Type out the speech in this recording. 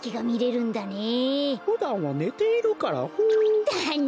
ふだんはねているからホー。だね。